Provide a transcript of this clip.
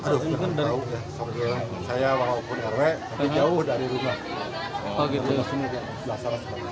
saya walaupun rw tapi jauh dari rumah